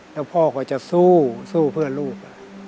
แล้วพ่อก็จะสู้สู้เพื่อลูก